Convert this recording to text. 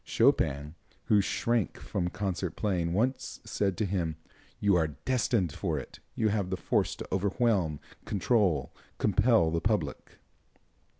Chopin, who shrank from concert playing, once said to him: "You are destined for it. You have the force to overwhelm, control, compel the public."